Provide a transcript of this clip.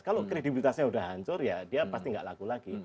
kalau kredibilitasnya sudah hancur ya dia pasti nggak laku lagi